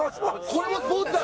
これもスポーツだ！